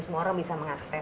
semua orang bisa mengakses